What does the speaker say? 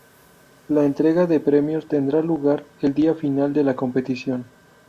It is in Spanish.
La entrega de premios tendrá lugar el día final de la competición.